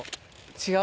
違う？